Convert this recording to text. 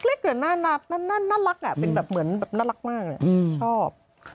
เล็กหน้าน่ารักเป็นเหมือนแบบน่ารักมากชอบ